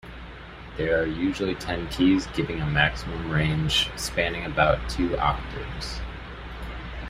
There are usually ten keys, giving a maximum range spanning about two octaves.